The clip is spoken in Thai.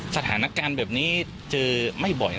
สถานการณ์แบบนี้เจอไม่บ่อย